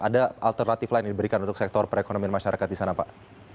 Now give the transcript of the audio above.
ada alternatif lain yang diberikan untuk sektor perekonomian masyarakat di sana pak